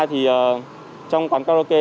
trong quán carlocke